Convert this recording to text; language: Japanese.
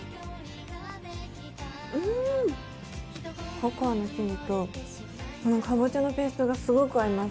ココアの生地とかぼちゃのペーストがすごく合います。